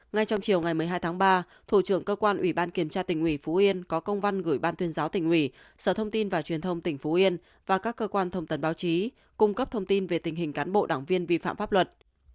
ngay trong chiều ngày một mươi hai tháng ba thủ trưởng cơ quan ủy ban kiểm tra tỉnh ủy phú yên có công văn gửi ban tuyên giáo tỉnh ủy sở thông tin và truyền thông tỉnh phú yên và các cơ quan thông tấn báo chí cung cấp thông tin về tình hình cán bộ đảng viên vi phạm pháp luật